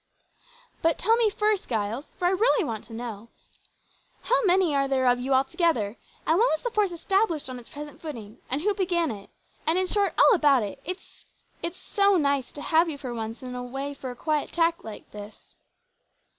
"But tell me first, Giles for I really want to know how many are there of you altogether, and when was the force established on its present footing, and who began it, and, in short, all about it. It's so nice to have you for once in a way for a quiet chat like this."